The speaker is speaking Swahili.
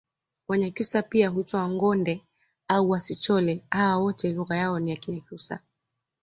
Wanyakyusa pia huitwa wangonde au wasichole hawa wote lugha yao ni kinyakyusa